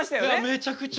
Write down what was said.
めちゃくちゃ。